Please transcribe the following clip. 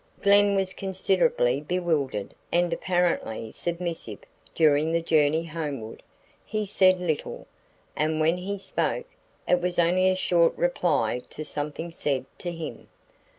Glen was considerably bewildered and apparently submissive during the journey homeward. He said little, and when he spoke, it was only a short reply to something said to him.